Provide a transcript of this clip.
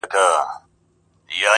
هارون جان ته د نوي کال او پسرلي ډالۍ:!.